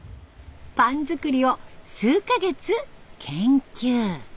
パン作りを数か月研究。